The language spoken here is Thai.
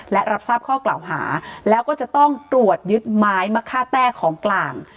และรับทราบข้อกล่าวหาแล้วก็จะต้องตรวจยึดไม้มะค่าแต้ของกลาง